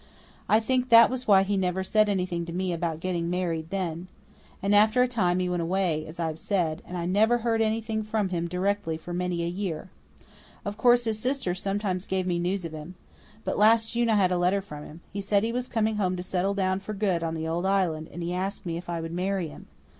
I think that was why he never said anything to me about getting married then. And after a time he went away, as I have said, and I never heard anything from him directly for many a year. Of course, his sister sometimes gave me news of him. But last June I had a letter from him. He said he was coming home to settle down for good on the old Island, and he asked me if I would marry him.